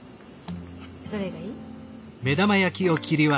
どれがいい？